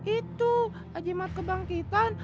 itu ajimat kebangkitan